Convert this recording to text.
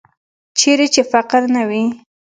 چیرې چې فقر نه وي.